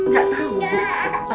gak tau bu